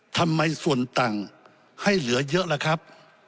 ทำไมส่วนต่างให้เหลือเยอะล่ะครับ